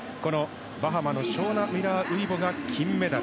バハマのショーニー・ミラー・ウイボが金メダル。